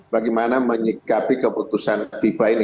bagaimana menyikapi keputusan fifa ini